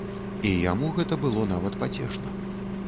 І яму гэта было нават пацешна.